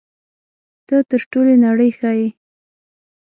ته تر ټولې نړۍ ښه یې.